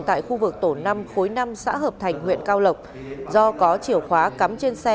tại khu vực tổ năm khối năm xã hợp thành huyện cao lộc do có chiều khóa cắm trên xe